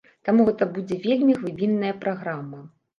Таму гэта будзе вельмі глыбінная праграма.